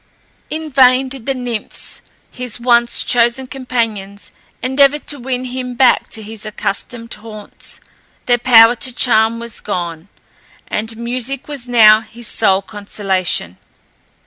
In vain did the nymphs, his once chosen companions, endeavour to win him back to his accustomed haunts; their power to charm was gone, and music was now his sole consolation.